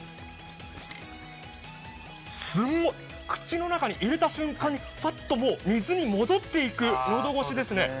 すごい、口の中に入れた瞬間にふわっと水に戻っていく喉越しですね。